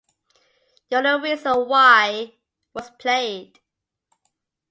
"You're the Reason Why" was played.